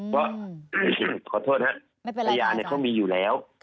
เพราะขอโทษนะภัยาเขามีอยู่แล้ว